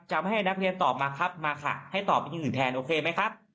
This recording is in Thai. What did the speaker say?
จำให้นักเรียนตอบมาครับมาค่ะให้ตอบไอ้ครังอื่นด้านโอเคไหมครับ